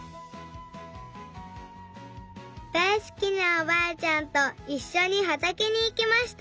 だいすきなおばあちゃんといっしょにはたけにいきました。